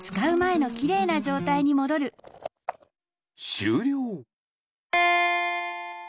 しゅうりょう！